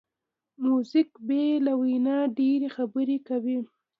موزیک بې له وینا ډېری خبرې کوي.